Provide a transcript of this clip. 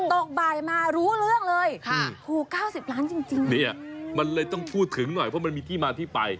ตกบ่ายมารู้เรื่องเลยค่ะถูก๙๐ล้านจริงเนี่ยมันเลยต้องพูดถึงหน่อยเพราะมันมีที่มาที่ไป